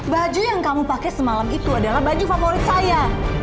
baju yang kamu pakai semalam itu adalah baju favorit saya